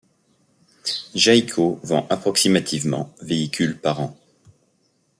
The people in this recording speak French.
Jayco vend approximativement véhicules par an.